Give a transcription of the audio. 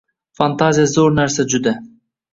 Fantaziya zo‘r narsa juda.